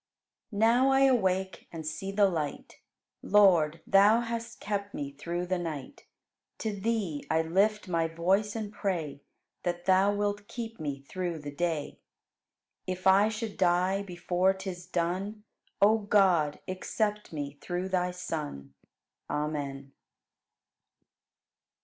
1. Now I awake and see the light; Lord, Thou hast kept me through the night. To Thee I lift my voice and pray That Thou wilt keep me through the day. If I should die before 'tis done, O God, accept me through Thy Son! Amen.